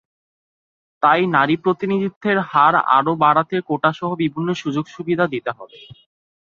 তাই নারী প্রতিনিধিত্বের হার আরও বাড়াতে কোটাসহ বিভিন্ন সুযোগসুবিধা দিতে হবে।